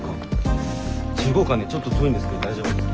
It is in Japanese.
ちょっと遠いんですけど大丈夫ですか？